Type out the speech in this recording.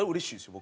僕。